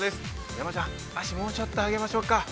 山ちゃん、脚もうちょっと、上げましょうか。